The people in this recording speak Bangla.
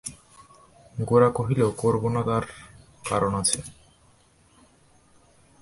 গোরা কহিল, করব না তার কারণ আছে।